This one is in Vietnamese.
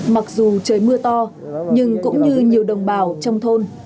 mặc dù trời mưa to nhưng cũng như nhiều đồng bào trong thôn